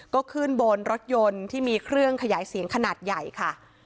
ก็ขึ้นบนรถยนต์ที่มีเครื่องขยายเสียงขนาดใหญ่ค่ะ